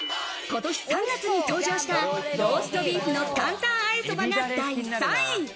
今年３月に登場したローストビーフの坦坦和えそばが第３位。